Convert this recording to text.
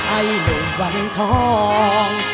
ไอ้ลุงหวังทอง